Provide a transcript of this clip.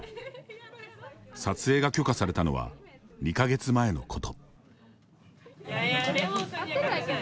撮影が許可されたのは２か月前のこと。